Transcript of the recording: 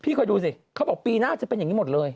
พี่ค่อยดูสิพอบอกปีหน้าจะเป็นแบบนี้หมดเลย